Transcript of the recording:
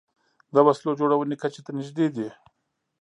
د وسلو جوړونې کچې ته نژدې دي